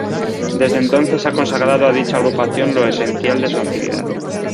Desde entonces ha consagrado a dicha agrupación lo esencial de su actividad.